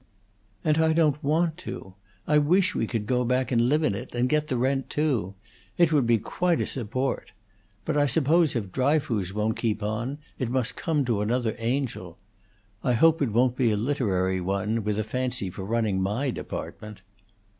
"And I don't want to. I wish we could go back and live in it and get the rent, too! It would be quite a support. But I suppose if Dryfoos won't keep on, it must come to another Angel. I hope it won't be a literary one, with a fancy for running my department."